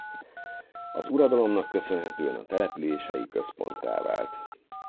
Az uradalomnak köszönhetően a település helyi központtá vált.